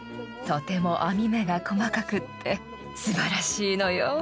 とても網目が細かくってすばらしいのよ。